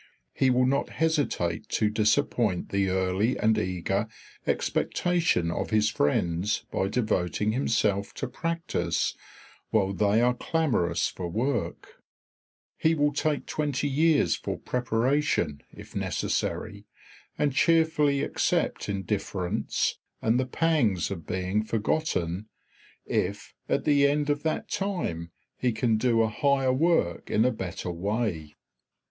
He will not hesitate to disappoint the early and eager expectation of his friends by devoting himself to practice while they are clamorous for work; he will take twenty years for preparation, if necessary, and cheerfully accept indifference and the pangs of being forgotten, if at the end of that time he can do a higher work in a better way.